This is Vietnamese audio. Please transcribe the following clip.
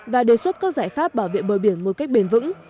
và đề xuất các giải pháp bảo vệ bờ biển một cách bền vững